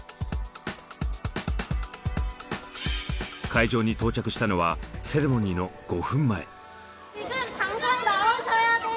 会場に到着したのはセレモニーの５分前。